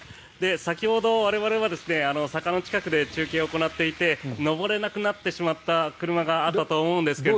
先ほど我々は坂の近くで中継を行っていて上れなくなってしまった車があったと思うんですけど